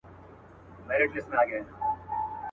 زمري وویل خوږې کوې خبري.